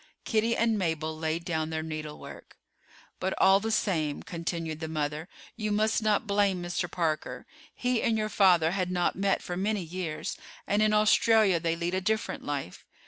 Kitty and Mabel laid down their needlework. "But, all the same," continued the mother, "you must not blame Mr. Parker. He and your father had not met for many years, and in Australia they lead a different life.